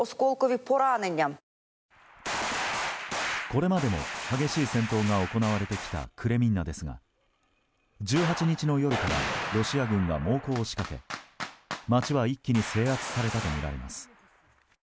これまでも、激しい戦闘が行われてきたクレミンナですが１８日の夜からロシア軍が猛攻を仕掛け街は一気に制圧されたとみられます。